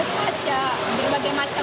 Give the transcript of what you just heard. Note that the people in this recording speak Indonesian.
berbagai macam material ini lah ya